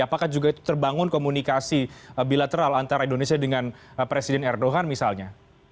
apakah juga itu terbangun komunikasi bilateral antara indonesia dengan presiden erdogan misalnya